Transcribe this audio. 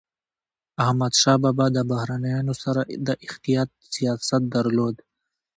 احمدشاه بابا د بهرنيانو سره د احتیاط سیاست درلود.